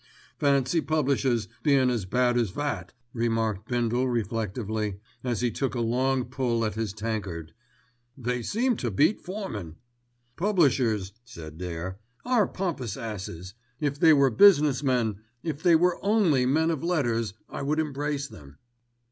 "Fancy publishers bein' as bad as that," remarked Bindle reflectively, as he took a long pull at his tankard. "They seem to beat foremen." "Publishers," said Dare, "are pompous asses. If they were business men—if they were only men of letters, I would embrace them."